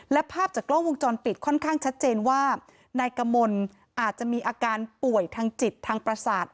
และภาพจากกล้องวงจรปิดค่อนข้างชัดเจนว่านายกมลอาจจะมีอาการป่วยทางจิตทางประสาท